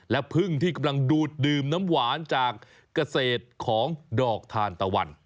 และพึ่งที่กำลังดูดดื่มน้ำหวานจากเกษตรของดอกทานตะวัน